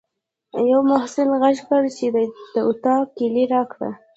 یوه محصل غږ کړ چې د اطاق کیلۍ راکړه.